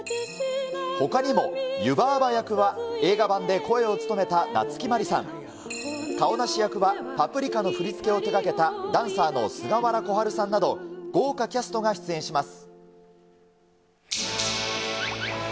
ほかにも、湯婆婆役は映画版で声を務めた夏木マリさん、カオナシ役は、パプリカの振り付けを手がけたダンサーの菅原小春さんなど、豪華キャストが出演します。